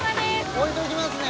置いときますね。